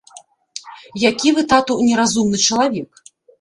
Які вы, тату, неразумны чалавек.